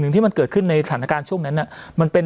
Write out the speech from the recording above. ที่มันเกิดขึ้นในสถานการณ์ช่วงนั้นมันเป็น